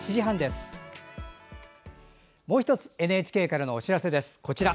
もう１つＮＨＫからのお知らせです。